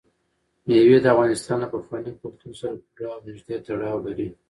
مېوې د افغانستان له پخواني کلتور سره پوره او نږدې تړاو لري.